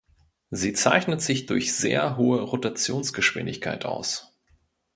Sie zeichnet sich durch sehr hohe Rotationsgeschwindigkeit aus.